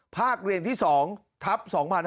ภาคเรียนที่๒ทัพ๒๕๕๙